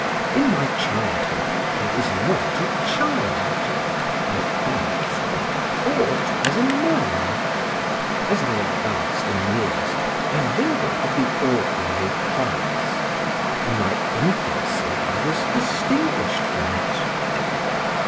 In my childhood, I was not a child; I felt, I thought as a man: as I advanced in years, I mingled with the ordinary class; in my infancy I was distinguished from it.